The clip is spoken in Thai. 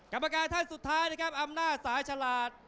กรรมการท่านสุดท้ายนะครับอำนาจสายฉลาด